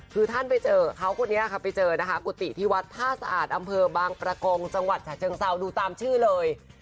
กฏิที่วัดผ้าสะอาดอำเภอบางประกองจังหวัดชาวเชิงเซาดูตามชื่อเลย